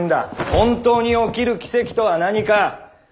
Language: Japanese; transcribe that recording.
「本当に起きる奇跡」とは何か。